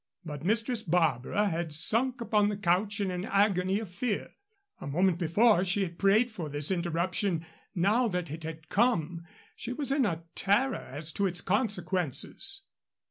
But Mistress Barbara had sunk upon the couch in an agony of fear. A moment before she had prayed for this interruption. Now that it had come she was in a terror as to its consequences.